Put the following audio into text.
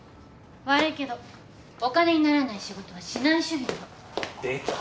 悪いけどお金にならない仕事はしない主義なの。出た。